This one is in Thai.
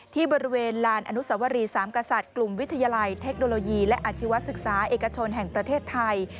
ที่บริเวณลานอนุสวรีสามกษัตริย์กลุ่มวิทยาลัยเทคโนโลยีและอาชีวศึกษาเอกชนแห่งประเทศไทย